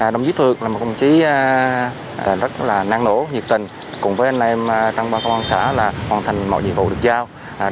đồng chí thượng là một đồng chí rất là năng nổ nhiệt tình cùng với anh em trong ba công an xã là hoàn thành mọi nhiệm vụ được giao